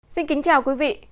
xin kính chào quý vị